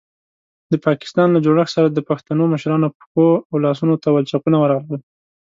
د پاکستان له جوړښت سره د پښتنو مشرانو پښو او لاسونو ته ولچکونه ورغلل.